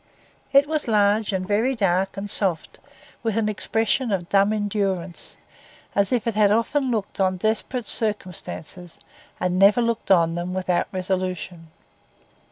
It was large and very dark and soft, with an expression of dumb endurance, as if it had often looked on desperate circumstances and never looked on them without resolution.